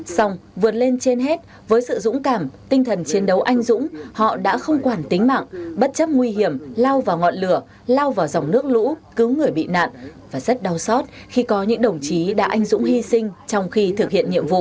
xong vượt lên trên hết với sự dũng cảm tinh thần chiến đấu anh dũng họ đã không quản tính mạng bất chấp nguy hiểm lao vào ngọn lửa lao vào dòng nước lũ cứu người bị nạn và rất đau xót khi có những đồng chí đã anh dũng hy sinh trong khi thực hiện nhiệm vụ